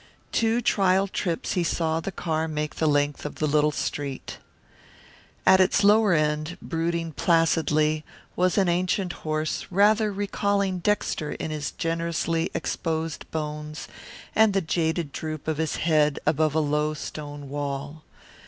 Two trial trips he saw the car make the length of the little street. At its lower end, brooding placidly, was an ancient horse rather recalling Dexter in his generously exposed bones and the jaded droop of his head above a low stone wall.